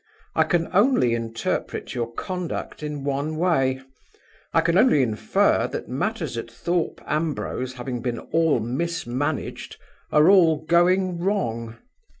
I can only interpret your conduct in one way. I can only infer that matters at Thorpe Ambrose, having been all mismanaged, are all going wrong.